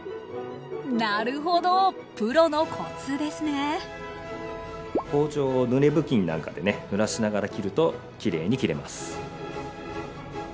なるほどプロのコツですね包丁を濡れ布巾なんかでね濡らしながら切るときれいに切れます。